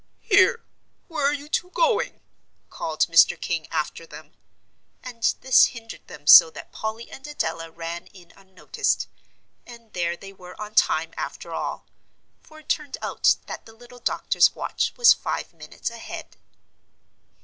"Here where are you two going?" called Mr. King after them. And this hindered them so that Polly and Adela ran in unnoticed. And there they were on time after all; for it turned out that the little doctor's watch was five minutes ahead.